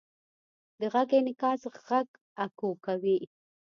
د غږ انعکاس غږ اکو کوي.